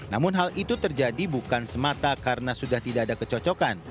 namun hal itu terjadi bukan semata karena sudah tidak ada kecocokan